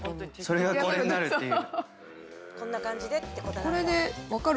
それがこれになるっていう。